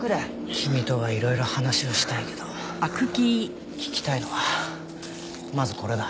君とはいろいろ話をしたいけど聞きたいのはまずこれだ。